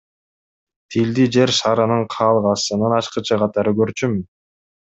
Тилди Жер шарынын каалгасынын ачкычы катары көрчүмүн.